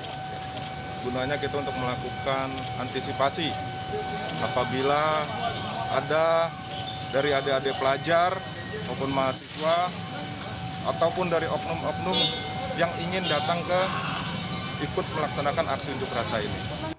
nah gunanya kita untuk melakukan antisipasi apabila ada dari adik adik pelajar maupun mahasiswa ataupun dari oknum oknum yang ingin datang ke ikut melaksanakan aksi unjuk rasa ini